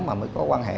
mới có quan hệ